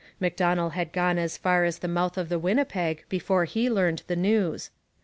Macdonell had gone as far as the mouth of the Winnipeg before he learned the news.